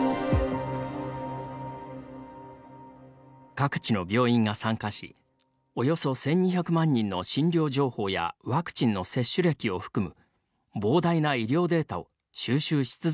各地の病院が参加しおよそ１２００万人の診療情報やワクチンの接種歴を含む膨大な医療データを収集し続けています。